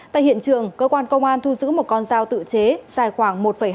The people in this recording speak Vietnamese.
tại hiện trường cơ quan công an thu giữ một con dao tự chế dài khoảng một hai